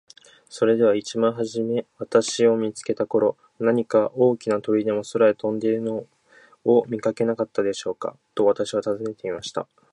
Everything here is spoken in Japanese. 「それでは一番はじめ私を見つけた頃、何か大きな鳥でも空を飛んでいるのを見かけなかったでしょうか。」と私は尋ねてみました。